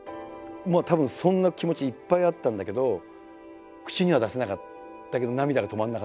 たぶんそんな気持ちいっぱいあったんだけど口には出せなかったけど涙が止まらなかったですね。